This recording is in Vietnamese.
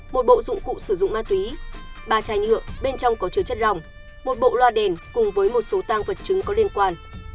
một bộ dụng cụ sử dụng ma túy ba chai nhựa bên trong có chứa chất lòng một bộ loa đèn cùng với một số tăng vật chứng có liên quan